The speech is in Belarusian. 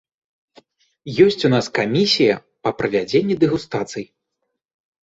Ёсць у нас камісія па правядзенні дэгустацый.